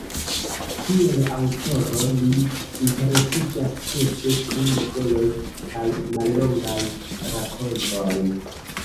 Kiel aŭtoro li interesiĝas ĉefe pri noveloj kaj mallongaj rakontoj.